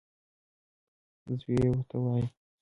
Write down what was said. زوی یې ورته وايي: